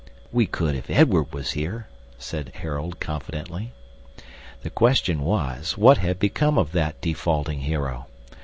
"We could if Edward was here," said Harold, confidently. The question was, What had become of that defaulting hero?